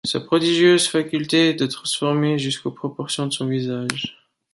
Sa prodigieuse faculté de transformer jusqu'aux proportions de son visage